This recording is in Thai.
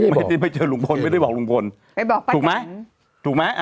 ไม่ได้ไปเจอลุงพลไม่ได้บอกลุงพลไปบอกไปถูกไหมถูกไหม